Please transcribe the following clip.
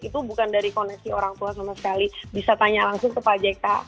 itu bukan dari koneksi orang tua sama sekali bisa tanya langsung ke pak jk